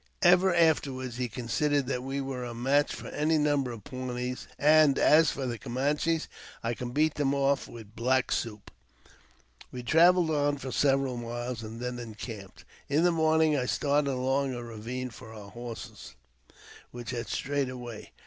Ever afterward he considered that we were a match for any number of Pawnees ; and as for the Camanches, I could beat them off with " black soup." We travelled on for several miles, and then encamped. In the morning I started along a ravine for our horses, which had strayed away.